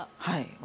はい。